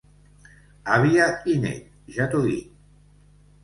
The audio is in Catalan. Àvia i net, ja t'ho dic.